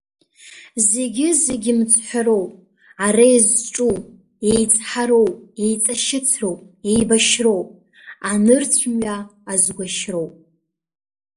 Зегьы-зегьы мыцҳәароуп, ара, изҿу, еицҳароуп, еиҵашьыцроуп, еибашьроуп, анырцә-мҩа азгәашьроуп.